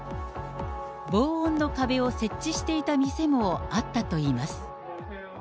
防音の壁を設置していた店もあったといいます。